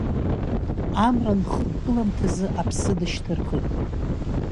Амра анхықәгыламҭазы аԥсы дышьҭырхит.